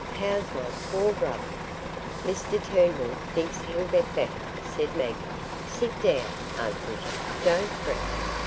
How's my poor brother?" "Mr Turnbull thinks he'll get better," said Maggie. "Sit down, aunt Gritty. Don't fret."